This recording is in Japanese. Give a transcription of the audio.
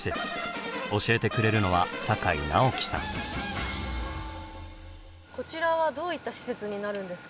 教えてくれるのはこちらはどういった施設になるんですか？